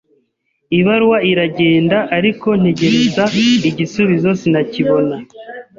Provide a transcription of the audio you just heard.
Ibaruwa iragenda ariko ntegereza igisubizo sinakibona